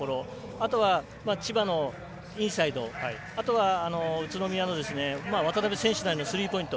あとは、千葉のインサイドあとは、宇都宮の渡邉選手などのスリーポイント。